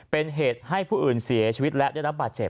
เป็นเหตุให้ผู้อื่นเสียชีวิตและได้รับบาดเจ็บ